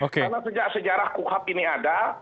karena sejak sejarah kuhap ini ada